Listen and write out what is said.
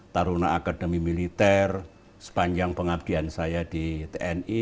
taruna akademi militer sepanjang pengabdian saya di tni